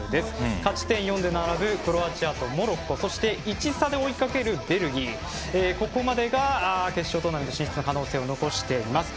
勝ち点４で並ぶクロアチアとモロッコ１差で追いかけるベルギー、ここまでが決勝トーナメント進出の可能性を残しています。